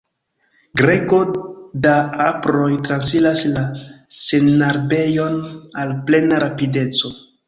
Grego da aproj transiras la senarbejon al plena rapideco.